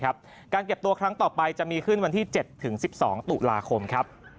การเก็บตัวครั้งต่อไปจะมีขึ้นวันที่๗๑๒ตุลาคมครับ